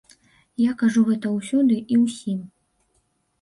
Я кажу гэта ўсюды і ўсім.